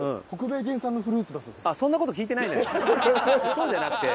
そうじゃなくて。